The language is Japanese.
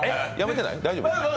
大丈夫？